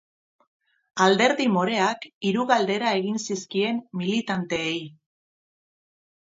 Alderdi moreak hiru galdera egin zizkien militanteei.